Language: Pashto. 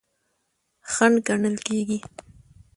خنډ ګڼل کیږي.